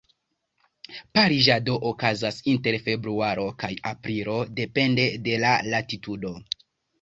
Pariĝado okazas inter februaro kaj aprilo, depende de la latitudo.